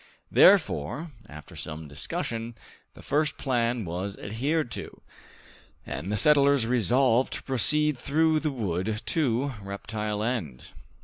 Therefore, after some discussion, the first plan was adhered to, and the settlers resolved to proceed through the wood to Reptile End.